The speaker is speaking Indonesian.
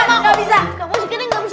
kamu sekarang gak bisa